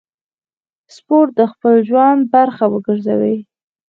سپورت د خپل ژوند برخه وګرځوئ.